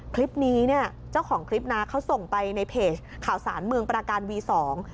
คลิปนี้เนี่ยเจ้าของคลิปนะเขาส่งไปในเพจข่าวสารเมืองประการวีสอง